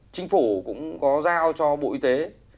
chính phủ cũng có giao cho bộ y tế